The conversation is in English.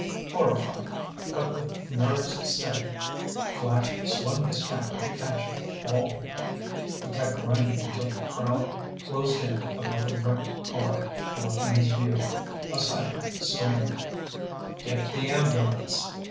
Horrified, but with nerves steady, Flash swung his camera to catch it all. He kept grinding until the crowd closed in about the wrecked car, blocking his view. A siren screamed. "Get the ambulance!"